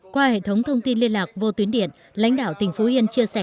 qua hệ thống thông tin liên lạc vô tuyến điện lãnh đạo tỉnh phú yên chia sẻ